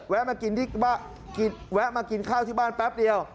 แวะมากินข้าวที่บ้านแป๊บเดียว